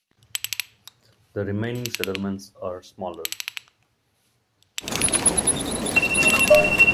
The remaining settlements are smaller.